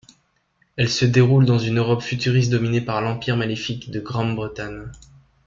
Elle se déroule dans une Europe futuriste dominée par l'empire maléfique de Granbretanne.